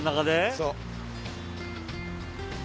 そう。